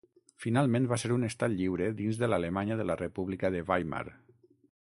Finalment va ser un Estat lliure dins de l'Alemanya de la República de Weimar.